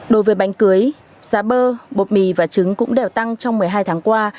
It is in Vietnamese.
đối với bánh cưới giá bơ bột mì và trứng cũng đều tăng trong một mươi hai tháng qua